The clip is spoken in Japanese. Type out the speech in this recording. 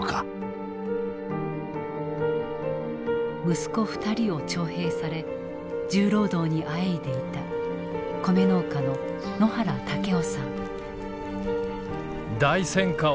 息子２人を徴兵され重労働にあえいでいた米農家の野原武雄さん。